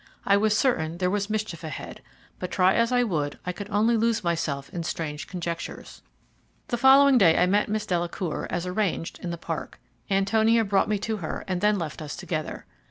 I was certain there was mischief ahead, but try as I would I could only lose myself in strange conjectures. The following day I met Miss Delacour, as arranged, in the park. Antonia brought me to her, and then left us together.